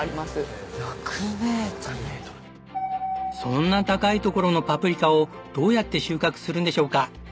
そんな高い所のパプリカをどうやって収穫するんでしょうか？